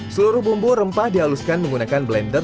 seluruh bumbu rempah dihaluskan menggunakan blender